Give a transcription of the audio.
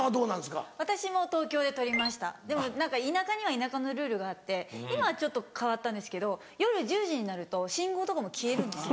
でも何か田舎には田舎のルールがあって今はちょっと変わったんですけど夜１０時になると信号とかも消えるんですよ。